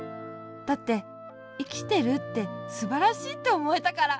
だっていきてるってすばらしいっておもえたから。